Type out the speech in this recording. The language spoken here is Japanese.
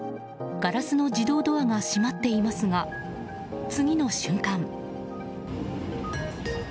ガラスの自動ドアが閉まっていますが次の瞬間。